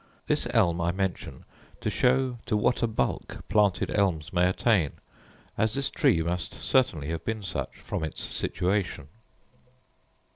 This elm I mention to show to what a bulk planted elms may attain; as this tree must certainly have been such from its situation.